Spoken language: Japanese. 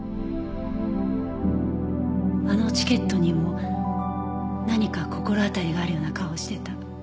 あのチケットにも何か心当たりがあるような顔してた。